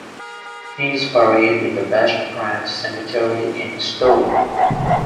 He is buried in the West Branch Cemetery in Stowe.